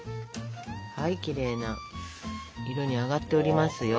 きれいな色に揚がっておりますよ。